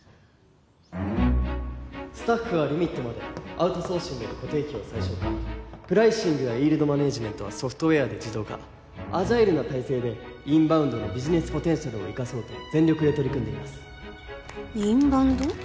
スタッフはリミットまでアウトソーシングで固定費を最小化プライシングやイールドマネージメントはソフトウェアで自動化アジャイルな体制でインバウンドのビジネスポテンシャルを生かそうと全力で取り組んでいますインバウンド？